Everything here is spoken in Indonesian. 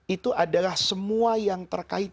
itu adalah semua yang terkait